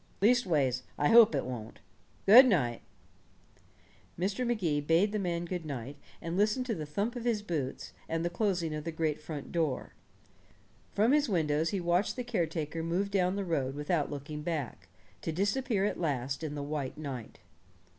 Leastways, I hope it won't. Good night." Mr. Magee bade the man good night, and listened to the thump of his boots, and the closing of the great front door. From his windows he watched the caretaker move down the road without looking back, to disappear at last in the white night.